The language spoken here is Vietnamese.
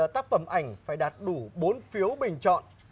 tác phẩm ảnh phải đạt đủ bốn phiếu bình chọn